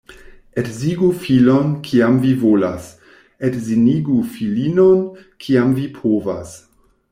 Edzigu filon, kiam vi volas — edzinigu filinon, kiam vi povas.